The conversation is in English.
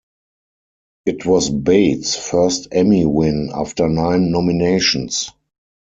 It was Bates' first Emmy win after nine nominations.